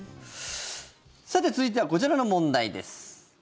さて、続いてはこちらの問題です。